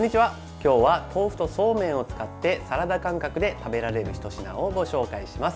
今日は豆腐とそうめんを使ってサラダ感覚で食べられるひと品をご紹介します。